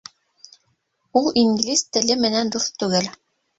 Ул инглиз теле менән дуҫ түгел